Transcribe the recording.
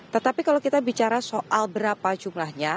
tetapi kalau kita bicara soal berapa jumlahnya